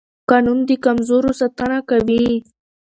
قانون د کمزورو ساتنه کوي